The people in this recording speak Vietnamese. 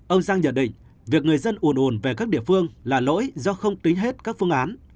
ông giang nhận định việc người dân uồn ồn về các địa phương là lỗi do không tính hết các phương án